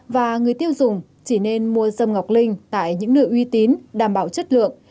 và người tiêu dùng chỉ nên mua sâm ngọc linh tại những nơi uy tín đảm bảo chất lượng